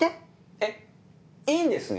えっいいんですね？